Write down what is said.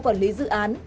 trong hai mươi bốn h qua